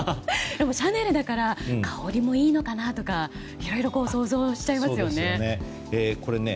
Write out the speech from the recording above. でもシャネルだから香りもいいのかとか想像しちゃいますね。